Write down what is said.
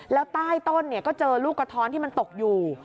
แล้วใต้ต้นก็เจอลูกกระท้อนที่มันตกอยู่